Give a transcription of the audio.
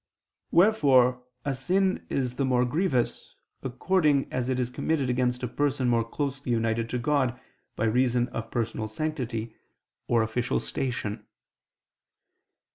Wherefore a sin is the more grievous, according as it is committed against a person more closely united to God by reason of personal sanctity, or official station.